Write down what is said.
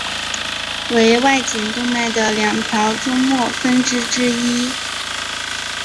为外颈动脉的两条终末分支之一。